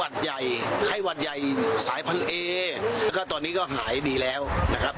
แล้วก็ตอนนี้ก็หายดีแล้วนะครับ